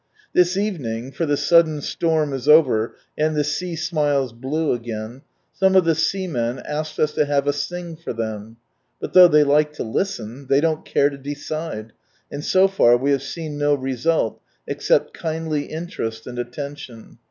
This evening, (for the sudden storm is over, and the sea smiles blue again,) some of the seamen asked us to have a " Sing " for them. But though they like to listen, they don't care to decide, and so far, we have seen no result, except kindly interest and attention.